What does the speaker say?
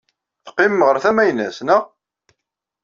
Teqqimem ɣer tama-nnes, naɣ?